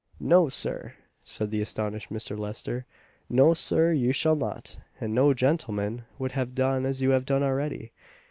"No, Sir!" said the astonished Mr. Lester, "No, Sir, you shall not, and no gentleman would have done as you have done already."